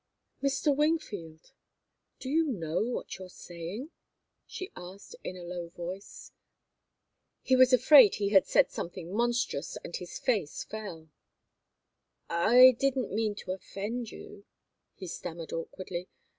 "Mr. Wingfield do you know what you're saying?" she asked, in a low voice. He was afraid he had said something monstrous, and his face fell. "I didn't mean to offend you," he stammered, awkwardly.